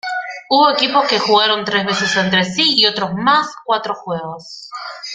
Hubo equipos que jugaron tres veces entre sí y otros más cuatro juegos.